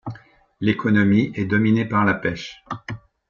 L'économie est dominée par la pêche.